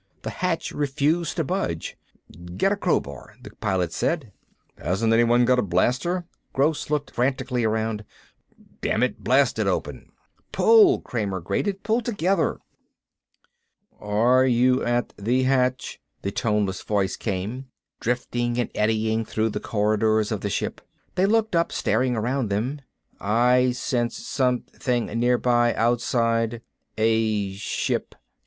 The hatch refused to budge. "Get a crowbar," the Pilot said. "Hasn't anyone got a blaster?" Gross looked frantically around. "Damn it, blast it open!" "Pull," Kramer grated. "Pull together." "Are you at the hatch?" the toneless voice came, drifting and eddying through the corridors of the ship. They looked up, staring around them. "I sense something nearby, outside. A ship?